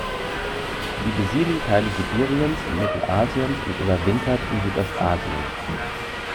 Sie besiedelt Teile Sibiriens und Mittelasiens und überwintert in Südostasien.